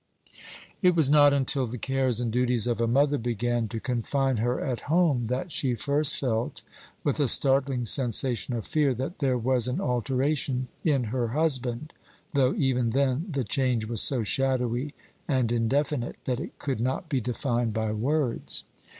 It was not until the cares and duties of a mother began to confine her at home, that she first felt, with a startling sensation of fear, that there was an alteration in her husband, though even then the change was so shadowy and indefinite that it could not be defined by words.